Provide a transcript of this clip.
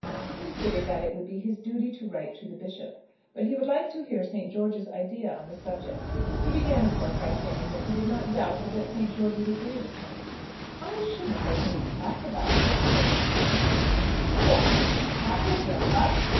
He considered that it would be his duty to write to the bishop, but he would like to hear St. George's idea on the subject. He began, of course, by saying that he did not doubt but that St. George would agree with him. "I shouldn't make any fuss about it," said the son. "What! pass it over?"